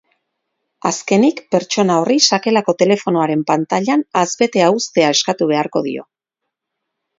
Azkenik, pertsona horri sakelako telefonoaren pantailan hazbetea uztea eskatu beharko dio.